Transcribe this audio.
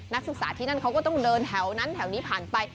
นักศึกษาที่นั่นเขาก็ต้องเดินแถวนั้นแถวนี้ผ่านไป